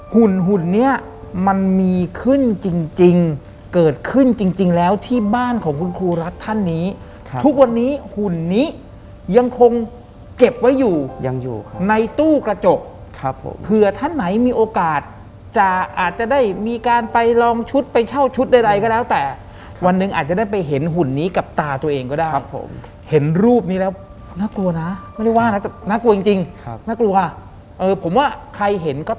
หุ่นนี้มันมีขึ้นจริงเกิดขึ้นจริงแล้วที่บ้านของคุณครูรัฐท่านนี้ทุกวันนี้หุ่นนี้ยังคงเก็บไว้อยู่ยังอยู่ในตู้กระจกครับเผื่อท่านไหนมีโอกาสจะอาจจะได้มีการไปลองชุดไปเช่าชุดใดก็แล้วแต่วันหนึ่งอาจจะได้ไปเห็นหุ่นนี้กับตาตัวเองก็ได้เห็นรูปนี้แล้วน่ากลัวนะไม่ได้ว่าน่ากลัวจริงน่